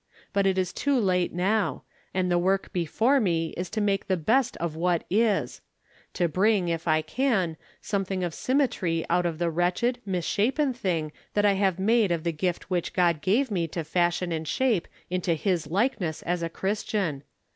But it is too late now, and the work before me is to make the best of what is ; to bring, if I can, something of symmetry out of the wretched, misshapen thing that I have made of the gift which God gave me to fashion and shape into his likeness as a Christian.